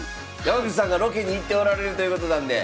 山口さんがロケに行っておられるということなんで。